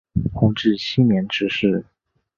弘治七年致仕。